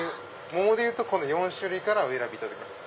桃でいうとこの４種類からお選びいただけます。